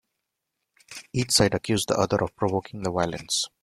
Each side accused the other of provoking the violence.